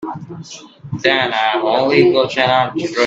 Then I've only got an hour to dress.